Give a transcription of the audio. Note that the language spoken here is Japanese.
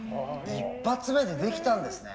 一発目でできたんですね。